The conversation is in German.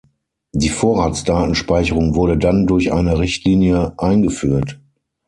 Die Vorratsdatenspeicherung wurde dann durch eine Richtlinie eingeführt.